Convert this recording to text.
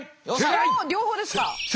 おっ両方ですか？